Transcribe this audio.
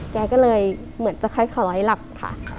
แกก็เลยเหมือนจะค่อยหลับค่ะ